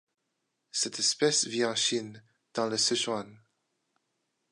Cette espèce vit en Chine, dans le Sichuan.